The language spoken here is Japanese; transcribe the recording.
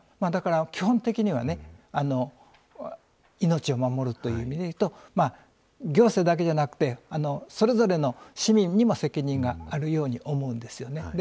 基本的には命を守るという意味で言うと行政だけじゃなくてそれぞれの市民にも責任があるように思うんですよね。